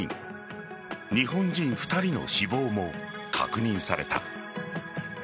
日本人２人の死亡も確認された。